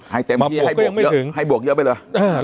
ให้เต็มที่ให้บวกเยอะให้บวกเยอะไปเลย